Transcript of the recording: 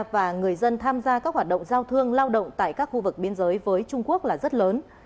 và người dân tham gia các hoạt động giao thương lao động tại các khu vực biên giới với trung quốc là rất lớn